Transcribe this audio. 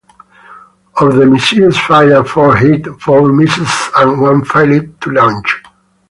Of the missiles fired four hit, four missed and one failed to launch.